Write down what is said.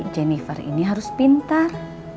jennifer ini harus pintar